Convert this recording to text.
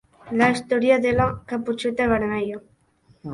La història de la Caputxeta Vermella.